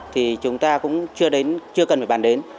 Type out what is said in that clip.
thì chúng ta cũng chưa cần phải bàn đến